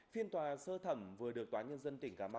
phiên tòa sơ thẩm vừa được tntcm